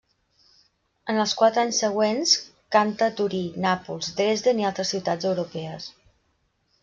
En els quatre anys següents canta a Torí, Nàpols, Dresden i altres ciutats europees.